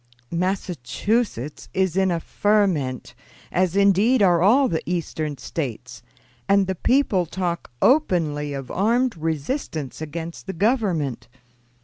"Massachusetts is in a ferment, as indeed are all the Eastern States, and the people talk openly of armed resistance against the Government.